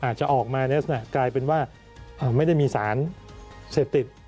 อาจจะออกมาในลักษณะกลายเป็นว่าไม่ได้มีสารเสพติด